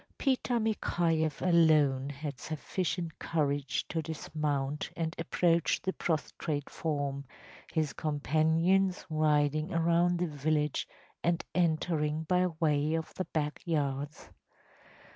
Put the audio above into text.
Peter Mikhayeff alone had sufficient courage to dismount and approach the prostrate form, his companions riding around the village and entering by way of the back yards.